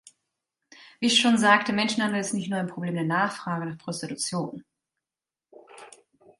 Wie ich schon sagte, Menschenhandel ist nicht nur ein Problem der Nachfrage nach Prostitution.